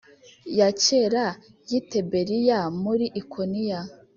ya kera y i Tiberiya muri ikoniya